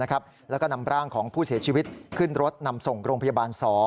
แล้วก็นำร่างของผู้เสียชีวิตขึ้นรถนำส่งโรงพยาบาล๒